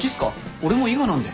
俺も伊賀なんで。